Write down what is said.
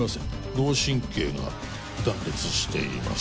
脳神経が断裂しています